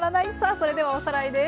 それではおさらいです。